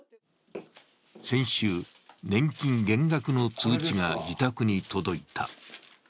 先週、年金減額の通知が自宅に届いた。